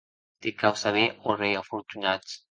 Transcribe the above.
Te cau saber, ò rei afortunat!